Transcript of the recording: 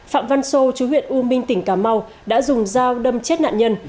phạm văn sô chú huyện u minh tỉnh cà mau đã dùng dao đâm chết nạn nhân